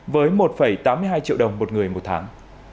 với một tám mươi hai triệu đồng một người một tháng